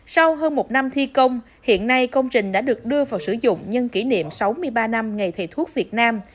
sau hơn một năm thi công hiện nay công trình đã được đưa vào sử dụng nhân kỷ niệm sáu mươi ba năm ngày thầy thuốc việt nam